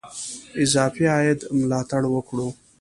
اضافي عاید ملاتړ وکړو.